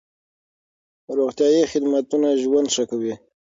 روغتيايي خدمتونه ژوند ښه کوي.